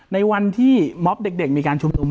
ในวันที่มอบเด็กมีการชุมนุม